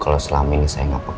kalo selama ini saya gak peka